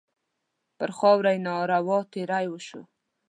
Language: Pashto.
پر خاوره یې ناروا تېری وشو.